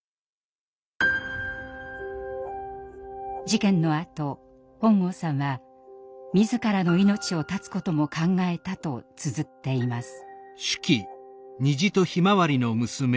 事件のあと本郷さんは自らの命を絶つことも考えたとつづっています。